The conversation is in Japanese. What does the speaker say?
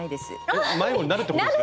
迷子になるってことですね。